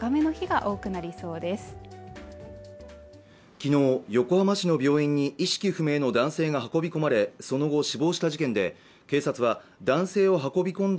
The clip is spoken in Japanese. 昨日横浜市の病院に意識不明の男性が運び込まれその後死亡した事件で警察は男性を運び込んだ